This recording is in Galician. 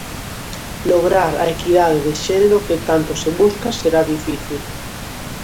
Lograr a equidade de xénero que tanto se busca será difícil.